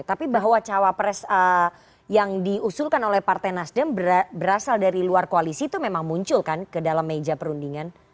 tapi bahwa cawapres yang diusulkan oleh partai nasdem berasal dari luar koalisi itu memang muncul kan ke dalam meja perundingan